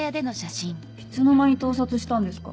いつの間に盗撮したんですか？